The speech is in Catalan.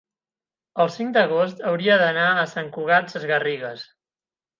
el cinc d'agost hauria d'anar a Sant Cugat Sesgarrigues.